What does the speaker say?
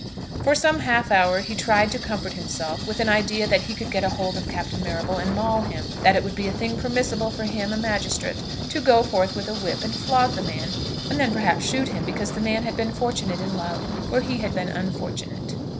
For some half hour he tried to comfort himself with an idea that he could get hold of Captain Marrable and maul him; that it would be a thing permissible for him, a magistrate, to go forth with a whip and flog the man, and then perhaps shoot him, because the man had been fortunate in love where he had been unfortunate.